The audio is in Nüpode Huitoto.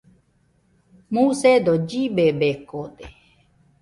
Musedo llibebekode